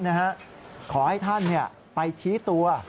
ขอให้ท่านไปชี้ตัว